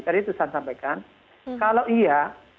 tadi tuhan sampaikan kalau iya